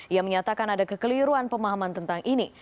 ia menyatakan ada kekeliruan pemahaman tentang ini